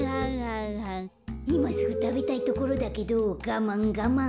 こころのこえいますぐたべたいところだけどがまんがまん。